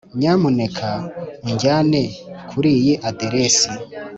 nyamuneka unjyane kuriyi aderesi.